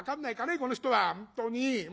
この人は本当に。